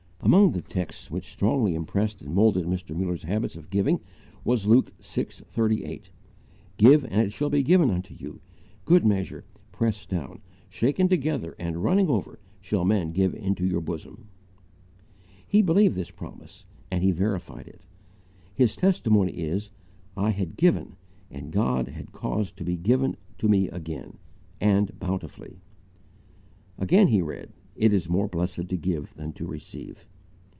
Among the texts which strongly impressed and moulded Mr. Muller's habits of giving was Luke vi. 38: "Give and it shall be given unto you. Good measure, pressed down, shaken together and running over shall men give into your bosom." He believed this promise and he verified it. His testimony is: "I had GIVEN, and God had caused to be GIVEN TO ME AGAIN, and bountifully." Again he read: "It is more blessed to give than to receive."